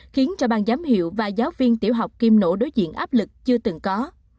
khiến cho bang giám hiệu và giáo viên tiểu học kim nỗ đối diện áp lực chưa từng có